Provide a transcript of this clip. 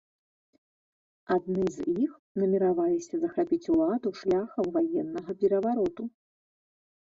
Адны з іх намерваліся захапіць уладу шляхам ваеннага перавароту.